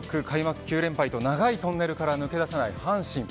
開幕９連敗と長いトンネルから抜け出せない阪神。